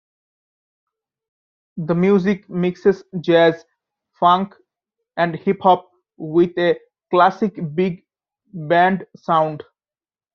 The music mixes jazz, funk and hip hop with a classic big band sound.